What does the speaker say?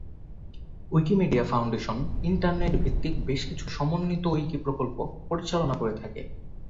Wikimedia Foundation internet ভিত্তিক বেশকিছু সমন্বিত উইকি প্রকল্প পরিচালনা করে থাকে।